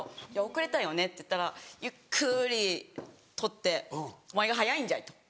「遅れたよね」って言ったらゆっくり取って「お前が早いんじゃい」と。